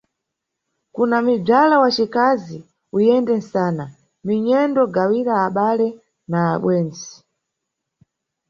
Kuna mibzala wacikazi, uyende nsana, minyendo gawira abale na abwendzi.